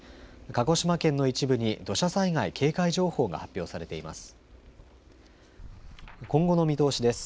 鹿児島県の一部に土砂災害警戒情報が発表されています。